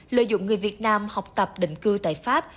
lợi dụng người việt nam học tập định cư tại pháp